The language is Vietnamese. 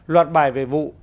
loạt bài về vụ